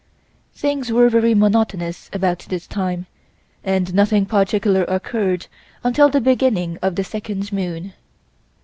Things were very monotonous about this time and nothing particular occurred until the beginning of the second moon.